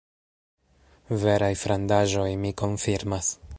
Veraj frandaĵoj, mi konfirmas.